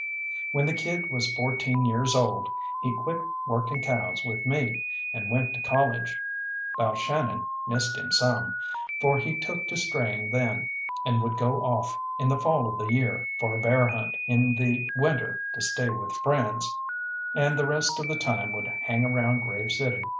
When the kid was fourteen years old he quit working cows with me, and went to college. Balshannon missed him some, for he took to straying then, and would go off in the fall of the year for a bear hunt, in the winter to stay with friends, and the rest of the time would hang around Grave City.